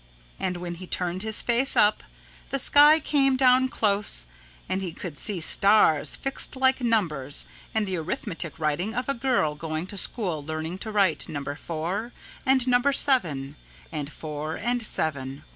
And when he turned his face up, the sky came down close and he could see stars fixed like numbers and the arithmetic writing of a girl going to school learning to write number 4 and number 7 and 4 and 7 over and over.